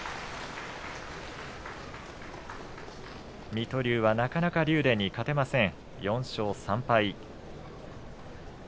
水戸龍はなかなか竜電に勝てません。